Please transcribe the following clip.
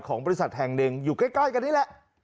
ของบริษัทแห่งหนึ่งอยู่ใกล้กันนี่แหละ